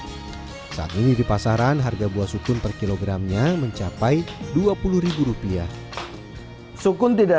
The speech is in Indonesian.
makin naik saat ini di pasaran harga buah sukun per kilogramnya mencapai rp dua puluh sukun tidak